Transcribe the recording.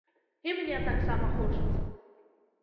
І мне таксама хочацца.